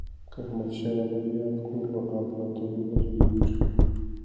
که احمد شاه بابا یاد کړو نو امپراتوري نه هیریږي.